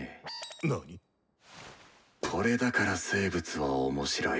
何⁉これだから生物は面白い！